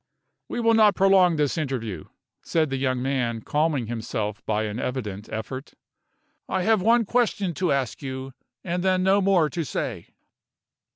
"We will not prolong this interview," said the young man, calming himself by an evident effort. "I have one question to ask you, and then no more to say."